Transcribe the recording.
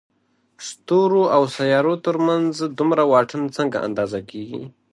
ستورو او سيارو تر منځ دومره واټن څنګه اندازه کېږي؟